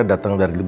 udah apa bos